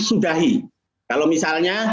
sudahi kalau misalnya